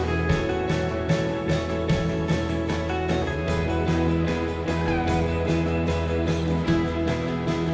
sekarang sekarang fairl technologies